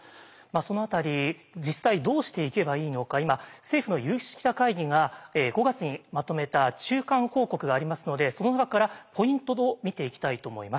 その辺り実際どうしていけばいいのか今政府の有識者会議が５月にまとめた中間報告がありますのでその中からポイントを見ていきたいと思います。